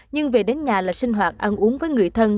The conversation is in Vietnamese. nhưng về đến nhà là sinh hoạt ăn uống với người thân